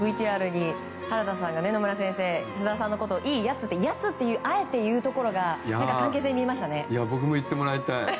ＶＴＲに、原田さんが菅田さんのことをいいやつってあえて言うところ僕も言ってもらいたい。